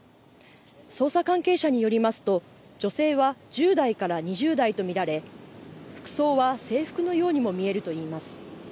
捜査関係者によりますと女性は１０代から２０代と見られ服装は制服のようにも見えるといいます。